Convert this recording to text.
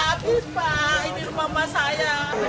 habis pak ini rumah saya